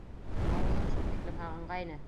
Ауылын шул тиклем һағынғайны.